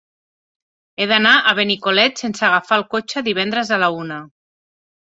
He d'anar a Benicolet sense agafar el cotxe divendres a la una.